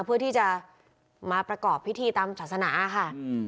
เพื่อที่จะมาประกอบพิธีตามศาสนาค่ะ